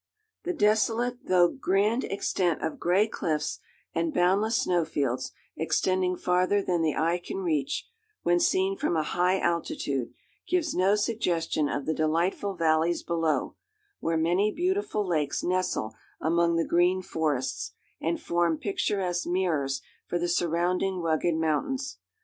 ] The desolate though grand extent of gray cliffs and boundless snowfields, extending farther than the eye can reach, when seen from a high altitude, gives no suggestion of the delightful valleys below, where many beautiful lakes nestle among the green forests, and form picturesque mirrors for the surrounding rugged mountains.